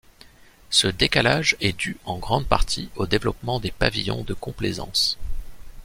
Ce décalage est dû en grande partie au développement des pavillons de complaisance.